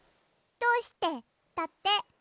「どうして？」だって。